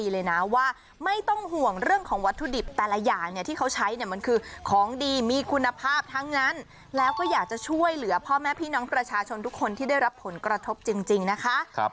แล้วก็อยากจะช่วยเหลือพ่อแม่พี่น้องประชาชนทุกคนที่ได้รับผลกระทบจริงนะคะ